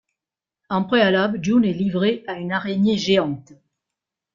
En préalable, June est livrée à une araignée géante.